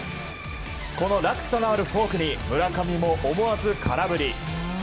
この落差のあるフォークに村上も思わず空振り。